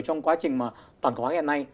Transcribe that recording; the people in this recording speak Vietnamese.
trong quá trình toàn cầu hóa hiện nay